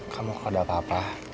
kamu kok ada apa apa